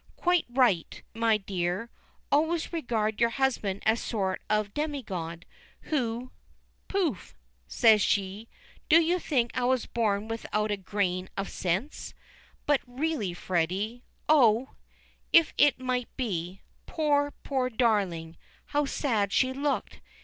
Quite right, my dear, always regard your husband as a sort of demi god, who " "Pouf!" says she. "Do you think I was born without a grain of sense? But really, Freddy Oh! if it might be! Poor, poor darling! how sad she looked.